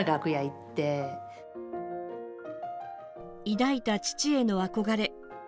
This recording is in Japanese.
抱いた父への憧れ。